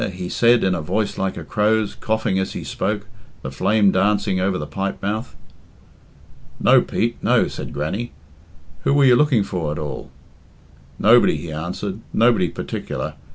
he said, in a voice like a crow's, coughing as he spoke, the flame dancing over the pipe mouth. "No, Pete, no," said Grannie. "Who were you looking for, at all?" "Nobody," he answered. "Nobody partic'lar.